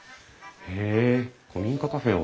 へえ古民家カフェを。